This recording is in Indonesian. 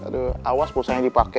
aduh awas polsanya dipake